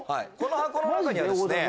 箱の中にはですね。